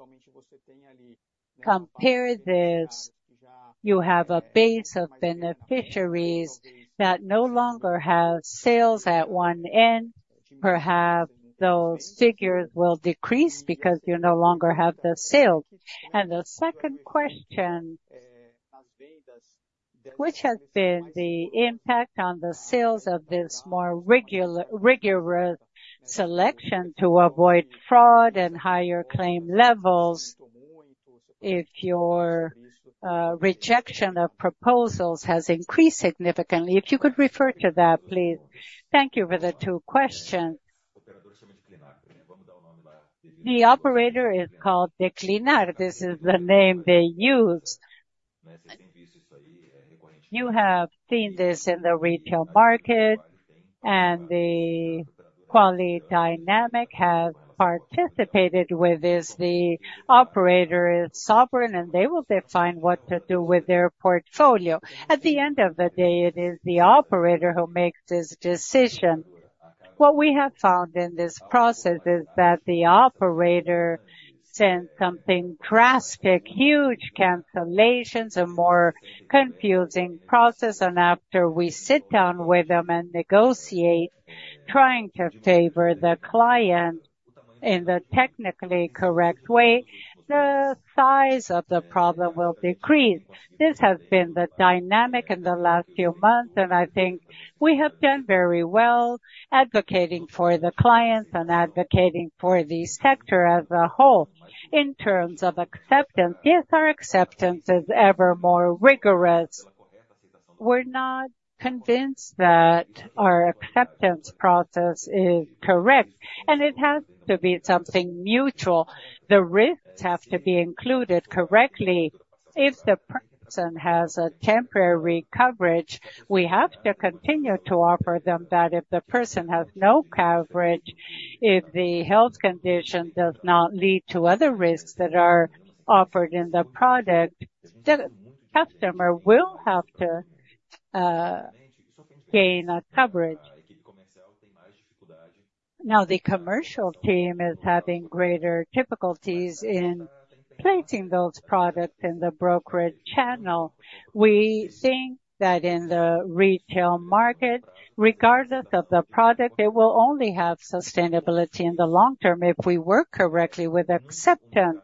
compare this, you have a base of beneficiaries that no longer have sales at one end, perhaps those figures will decrease because you no longer have the sale? And the second question, which has been the impact on the sales of this more rigorous selection to avoid fraud and higher claim levels, if your rejection of proposals has increased significantly? If you could refer to that, please. Thank you for the two questions. The operator is called [Declinar]. This is the name they use. You have seen this in the retail market, and the Quali dynamic have participated with this. The operator is sovereign, and they will define what to do with their portfolio. At the end of the day, it is the operator who makes this decision. What we have found in this process is that the operator sent something drastic, huge cancellations, a more confusing process, and after we sit down with them and negotiate, trying to favor the client in the technically correct way, the size of the problem will decrease. This has been the dynamic in the last few months, and I think we have done very well advocating for the clients and advocating for the sector as a whole. In terms of acceptance, yes, our acceptance is ever more rigorous. We're not convinced that our acceptance process is correct, and it has to be something mutual. The risks have to be included correctly. If the person has a temporary coverage, we have to continue to offer them that. If the person has no coverage, if the health condition does not lead to other risks that are offered in the product, the customer will have to gain a coverage. Now, the commercial team is having greater difficulties in placing those products in the brokerage channel. We think that in the retail market, regardless of the product, it will only have sustainability in the long term if we work correctly with acceptance.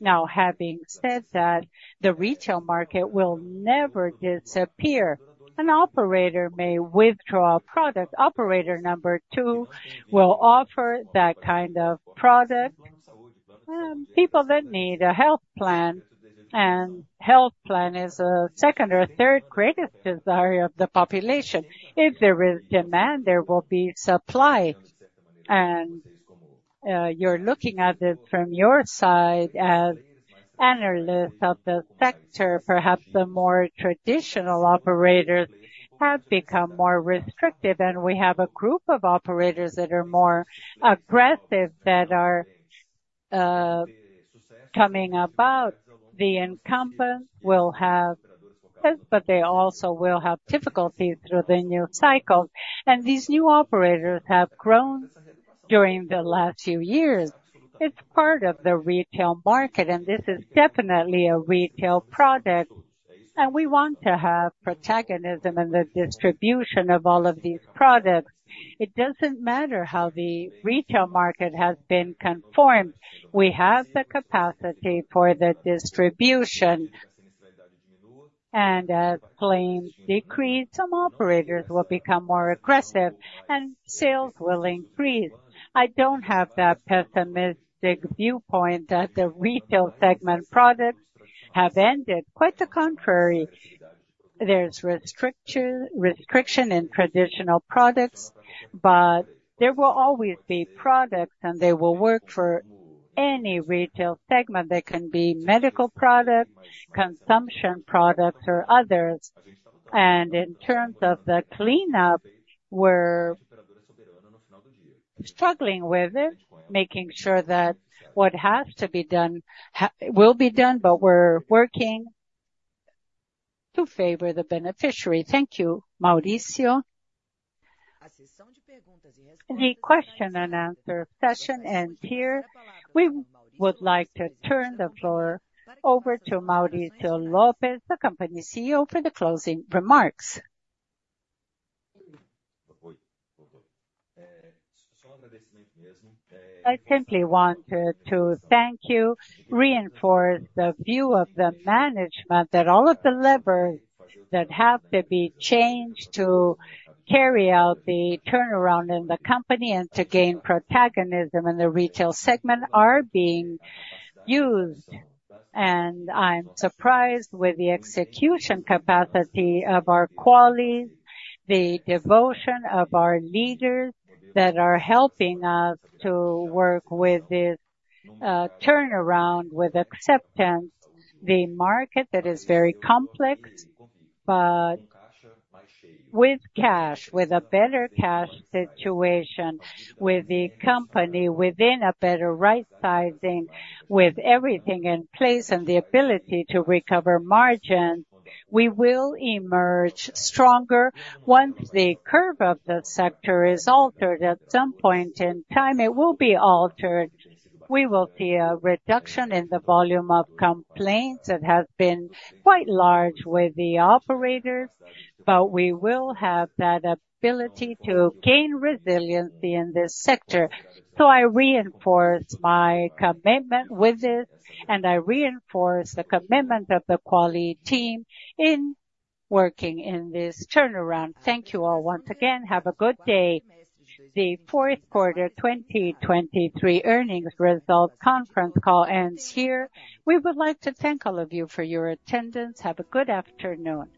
Now, having said that, the retail market will never disappear. An operator may withdraw a product. Operator number two will offer that kind of product. People that need a health plan, and health plan is a second or third greatest desire of the population. If there is demand, there will be supply. And you're looking at it from your side as analyst of the sector, perhaps the more traditional operators have become more restrictive, and we have a group of operators that are more aggressive, that are coming about. The incumbent will have, but they also will have difficulties through the new cycle. And these new operators have grown during the last few years. It's part of the retail market, and this is definitely a retail product, and we want to have protagonism in the distribution of all of these products. It doesn't matter how the retail market has been conformed, we have the capacity for the distribution. And as claims decrease, some operators will become more aggressive and sales will increase. I don't have that pessimistic viewpoint that the retail segment products have ended. Quite the contrary, there's restriction in traditional products, but there will always be products, and they will work for any retail segment. They can be medical products, consumption products, or others. And in terms of the cleanup, we're struggling with it, making sure that what has to be done will be done, but we're working to favor the beneficiary. Thank you, Maurício. The question and answer session ends here. We would like to turn the floor over to Maurício Lopes, the company CEO, for the closing remarks. I simply wanted to thank you, reinforce the view of the management that all of the levers that have to be changed to carry out the turnaround in the company and to gain protagonism in the retail segment are being used. I'm surprised with the execution capacity of our Quali, the devotion of our leaders that are helping us to work with this turnaround, with acceptance. The market that is very complex, but with cash, with a better cash situation, with the company within a better right sizing, with everything in place and the ability to recover margins, we will emerge stronger. Once the curve of the sector is altered, at some point in time, it will be altered. We will see a reduction in the volume of complaints that have been quite large with the operators, but we will have that ability to gain resiliency in this sector. So I reinforce my commitment with it, and I reinforce the commitment of the Quali team in working in this turnaround. Thank you all once again. Have a good day. The fourth quarter 2023 earnings results conference call ends here. We would like to thank all of you for your attendance. Have a good afternoon.